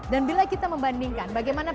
dan bila kita membandingkan bagaimana